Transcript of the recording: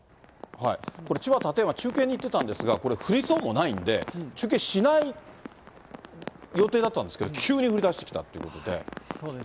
これ、千葉・館山中継に行ってたんですが、これ、降りそうもないんで、中継しない予定だったんですけど、急に降りだしてきたということで。